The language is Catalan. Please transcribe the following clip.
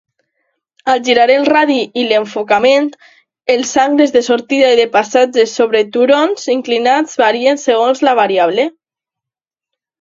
Al girar el radi i l'enfocament, els angles de sortida i de passatge sobre turons inclinats varien segons la variable.